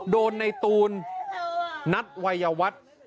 โดนในตูนนัดวัยวัตร